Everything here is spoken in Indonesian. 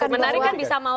menarik kan bisa mau